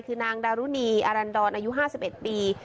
คือนางดารุณีอารันดรนอายุห้าสิบเอ็ดปี